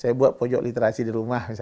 saya buat pojok literasi di rumah